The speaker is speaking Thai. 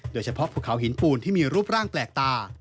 โดยเฉพาะภูเขาหินปูนที่มีรูปร่างแปลกตา